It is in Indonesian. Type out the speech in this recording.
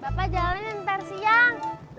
bapak jalanin nanti siang